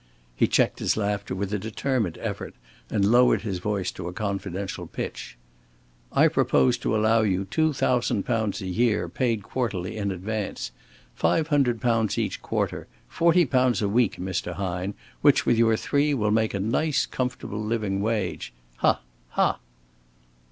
He checked his laughter with a determined effort, and lowered his voice to a confidential pitch. "I propose to allow you two thousand pounds a year, paid quarterly in advance. Five hundred pounds each quarter. Forty pounds a week, Mr. Hine, which with your three will make a nice comfortable living wage! Ha! Ha!"